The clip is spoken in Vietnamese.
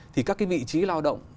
thì các cái vị trí lao động